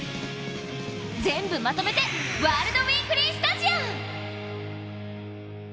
全部まとめて「ワールドウィークリースタジアム」。